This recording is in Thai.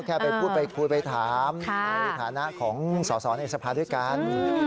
ไปพูดไปคุยไปถามในฐานะของสอสอในสภาด้วยกัน